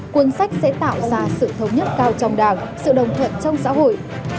cuốn sách sẽ tạo ra sự thống nhất cao trong đảng sự đồng thuận trong xã hội